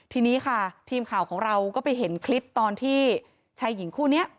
ทีนี้ค่ะทีมข่าวของเราก็ไปเห็นคลิปตอนที่ชายหญิงคู่นี้